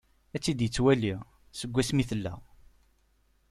Ad-tt-id-yettwali, seg wass mi tella.